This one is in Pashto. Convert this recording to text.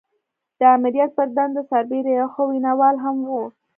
د آمريت پر دنده سربېره يو ښه ويناوال هم و.